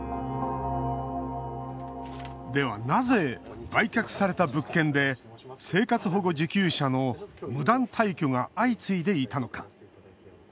では、なぜ、売却された物件で生活保護受給者の無断退去が相次いでいたのか。